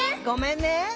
「ごめんね」